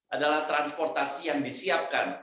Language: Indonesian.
adalah transportasi yang disiapkan